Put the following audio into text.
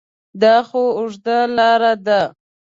دا خو اوږده لاره ده ؟